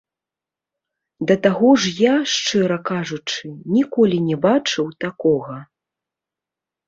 Да таго ж я, шчыра кажучы, ніколі не бачыў такога.